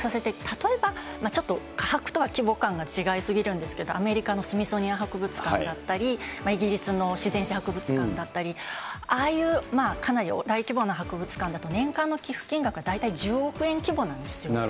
例えば、ちょっと科博とは規模感が違いすぎるんですけど、アメリカのスミソニアン博物館だったり、イギリスの自然史博物館だったり、ああいうかなり大規模な博物館だと年間の寄付金額が大体１０億円規模なんですよ。